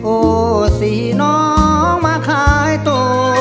โอ้สี่น้องมาคลายตัว